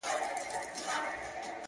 خدايه ښه نـری بـاران پرې وكړې نن،